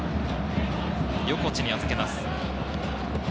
横地に預けます。